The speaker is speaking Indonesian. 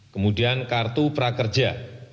kemudian kartu prakerja